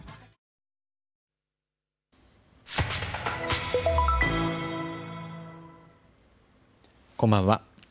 こんばんは。